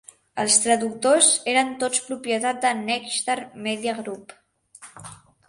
Els traductors eren tots propietat de Nexstar Media Group.